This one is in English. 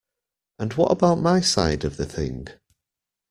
And what about my side of the thing?